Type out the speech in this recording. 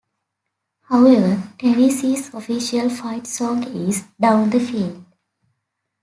However, Tennessee's official fight song is Down the Field.